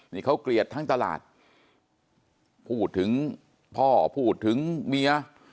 นี่เขาเกลียดทั้งตลาดพูดถึงพ่อพูดถึงเมีย